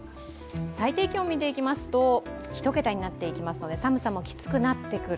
最低気温を見ていきますと１桁になっていきますので、寒さもきつくなってくる。